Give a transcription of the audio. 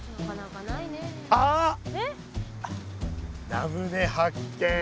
ラムネ発見！